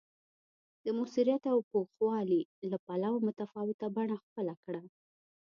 د موثریت او پوخوالي له پلوه متفاوته بڼه خپله کړه